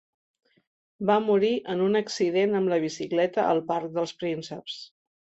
Va morir en un accident amb la bicicleta al Parc dels Prínceps.